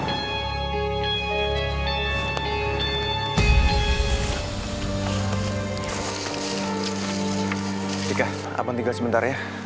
atika abang tinggal sebentar ya